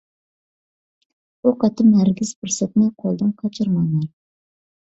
بۇ قېتىم ھەرگىز پۇرسەتنى قولدىن قاچۇرماڭلار!